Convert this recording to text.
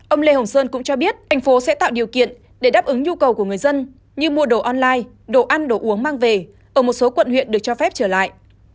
ông lê hồng sơn cũng cho biết thành phố sẽ tạo điều kiện để đáp ứng nhu cầu của người dân như mua đồ online đồ ăn đồ uống mang về ở một số quận huyện được cho phép trở lại